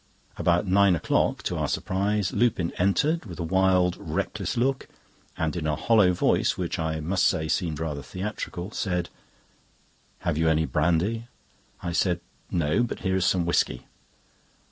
About nine o'clock, to our surprise, Lupin entered, with a wild, reckless look, and in a hollow voice, which I must say seemed rather theatrical, said: "Have you any brandy?" I said: "No; but here is some whisky."